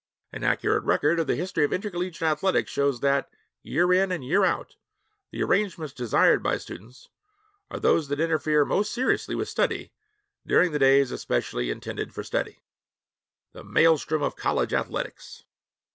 An accurate record of the history of intercollegiate athletics shows that, year in and year out, the arrangements desired by students are those that interfere most seriously with study during the days especially intended for study. The maelstrom of college athletics!